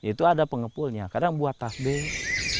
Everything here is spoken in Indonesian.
itu ada pengepulnya kadang buat tasbil